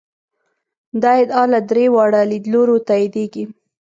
دا ادعا له درې واړو لیدلورو تاییدېږي.